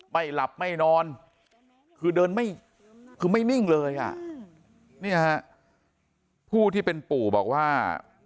ไม่หลับไม่นอนคือเดินไม่คือไม่นิ่งเลยอ่ะเนี่ยฮะผู้ที่เป็นปู่บอกว่า